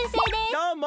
どうも！